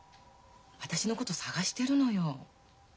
私のこと探してるのよ。